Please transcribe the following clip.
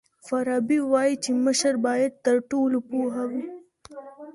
فارابي وایي چي مشر باید تر ټولو پوه وي.